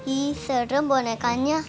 ih serem bonekanya